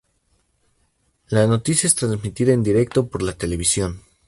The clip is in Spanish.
La noticia es transmitida en directo por la televisión.